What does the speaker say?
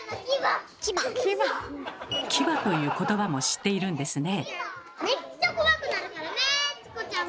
「キバ」ということばも知っているんですね。